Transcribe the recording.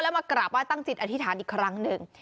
มากราบไห้ตั้งจิตอธิษฐานอีกครั้งหนึ่ง